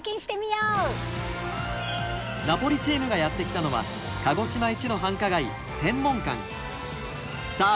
ナポリチームがやって来たのは鹿児島一の繁華街さあ